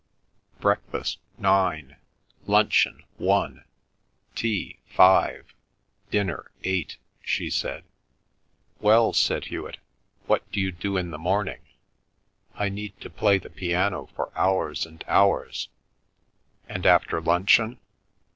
"Breakfast nine; luncheon one; tea five; dinner eight," she said. "Well," said Hewet, "what d'you do in the morning?" "I need to play the piano for hours and hours." "And after luncheon?"